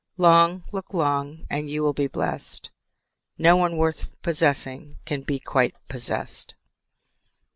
Long, look long and you will be blessed: No one worth possessing Can be quite possessed.